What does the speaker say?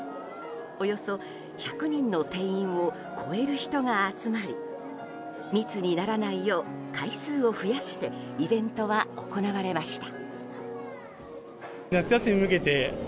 およそ１００人の定員を超える人が集まり密にならないよう回数を増やしてイベントは行われました。